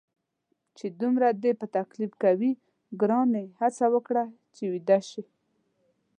چې دومره دې په تکلیف کوي، ګرانې هڅه وکړه چې ویده شې.